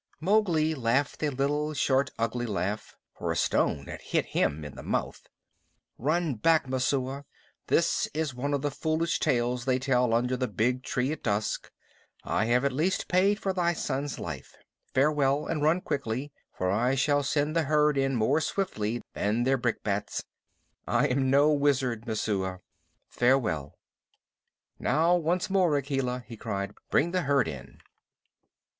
Mowgli laughed a little short ugly laugh, for a stone had hit him in the mouth. "Run back, Messua. This is one of the foolish tales they tell under the big tree at dusk. I have at least paid for thy son's life. Farewell; and run quickly, for I shall send the herd in more swiftly than their brickbats. I am no wizard, Messua. Farewell!" "Now, once more, Akela," he cried. "Bring the herd in."